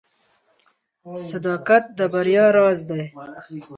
• صداقت د بریا راز دی.